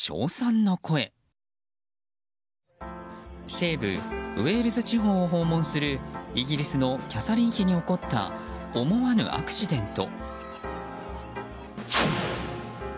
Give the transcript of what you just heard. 西部ウェールズ地方を訪問するイギリスのキャサリン妃に起こった思わぬアクシデント。